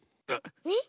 えっ？